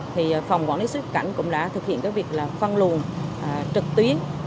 thì phòng quản lý xuất nhập cảnh cũng đã thực hiện cái việc là phân luận trực tuyến